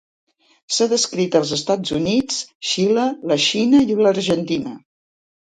S'ha descrit als Estats Units, Xile, Xina i l'Argentina.